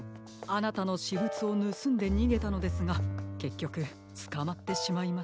あなたのしぶつをぬすんでにげたのですがけっきょくつかまってしまいました。